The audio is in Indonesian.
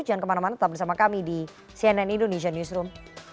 jangan kemana mana tetap bersama kami di cnn indonesia newsroom